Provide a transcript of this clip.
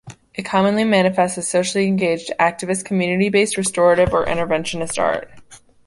It commonly manifests as socially engaged, activist, community-based restorative or interventionist art.